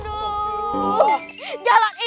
kayak harus penuh hai